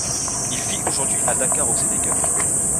Il vit aujourd'hui à Dakar au Sénégal.